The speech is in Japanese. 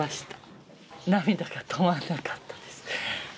涙が止まらなかったです。